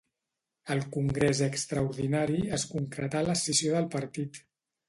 Al congrés extraordinari es concretà l'escissió del partit.